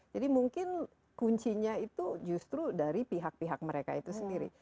jadi mungkin kuncinya itu justru dari pihak pihak mereka itu sendiri